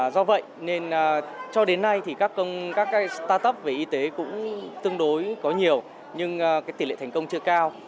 do vậy nên cho đến nay thì các start up về y tế cũng tương đối có nhiều nhưng tỷ lệ thành công chưa cao